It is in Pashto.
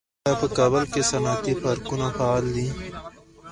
آیا په کابل کې صنعتي پارکونه فعال دي؟